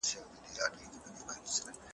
زموږ هېواد به آباد سي.